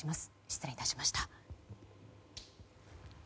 失礼致しました。